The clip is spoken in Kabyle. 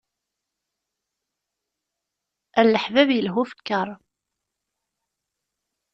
Ar leḥbab ilha ufekkeṛ.